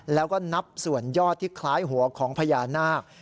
แล้วก็นับส่วนยอดที่คล้ายหัวของพญานาค